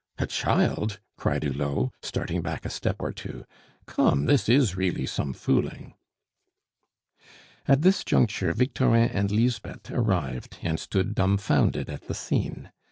"A child!" cried Hulot, starting back a step or two. "Come. This is really some fooling." At this juncture Victorin and Lisbeth arrived, and stood dumfounded at the scene.